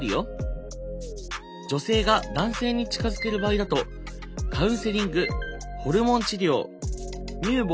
女性が男性に近づける場合だとカウンセリングホルモン治療乳房